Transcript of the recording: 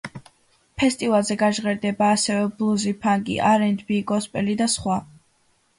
ფესტივალზე გაჟღერდება ასევე ბლუზი ფანკი, არ ენდ ბი, გოსპელი და სხვა.